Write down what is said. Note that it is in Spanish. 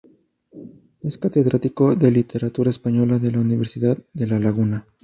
Es catedrático de Literatura Española de la Universidad de La Laguna.